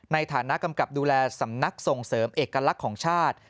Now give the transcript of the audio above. ในฐานะกำกับดูแลสำนักส่งเสริมเอกลักษณ์ของชาติ